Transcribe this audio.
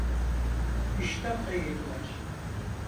iştahla yediler.